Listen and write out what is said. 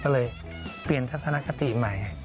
ก็เลยเปลี่ยนทัศนคติใหม่